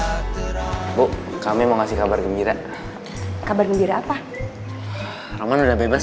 gue gak bau tisu lagi padahal gue tau lo hari ini pasti nangis